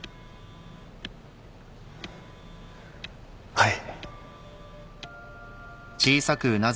はい。